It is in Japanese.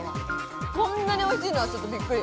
こんなにおいしいのはびっくり。